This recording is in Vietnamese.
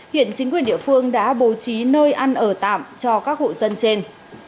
hiện chính quyền địa phương đã bố trí nơi ăn ở tạm cho các hộ dân trên